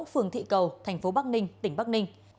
phường thị cầu thành phố bắc ninh tỉnh bắc ninh